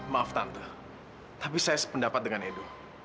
maaf tante tapi saya sependapat dengan edo